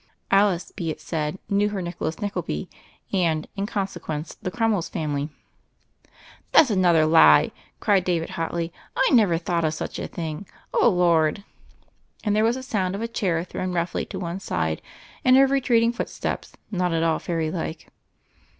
Alice, be it said, knew her Nicholas Nickleby, and, in consequence, the Crummies family. "That's another lie," cried David hotly. "I never thought of such a thing — O Lord!" And there was a sound of a chair thrown roughly to one side, and of retreating footsteps not at all fairy like.